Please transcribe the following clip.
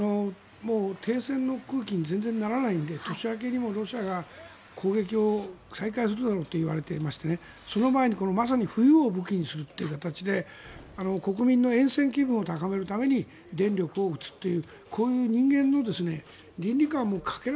停戦の空気に全然ならないので年明けにもロシアが攻撃を再開するだろうといわれていましてその場合、まさに冬を武器にするという形で国民のえん戦気分を高めるために電力を打つっていう。